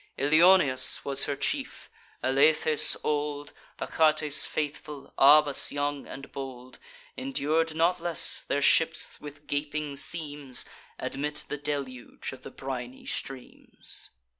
Ilioneus was her chief: Alethes old, Achates faithful, Abas young and bold, Endur'd not less; their ships, with gaping seams, Admit the deluge of the briny streams.